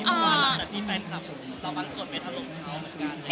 เพราะว่าหลังจากที่แฟนคลับเราก็อังสศนไว้ทะลมเขาเหมือนกัน